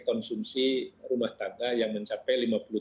konsumsi rumah tangga yang mencapai